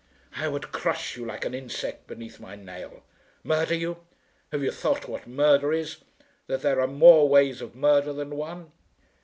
"I would crush you like an insect beneath my nail. Murder you! Have you thought what murder is; that there are more ways of murder than one?